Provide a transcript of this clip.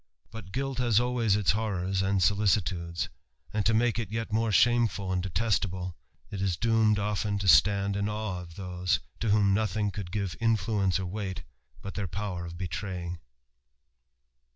But guilt has always its horrours and solicitudes ; and, to make it yet more shameful and detest ablE^ it is doomed often to stand in awe of those, to whom nothing could give influence or weight, but their power of betraying.